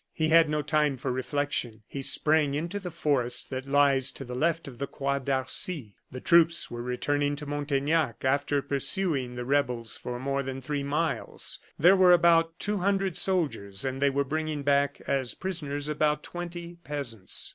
He had no time for reflection; he sprang into the forest that lies to the left of the Croix d'Arcy. The troops were returning to Montaignac after pursuing the rebels for more than three miles. There were about two hundred soldiers, and they were bringing back, as prisoners, about twenty peasants.